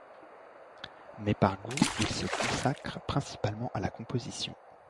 Mais, par goût, il se consacre principalement à la composition.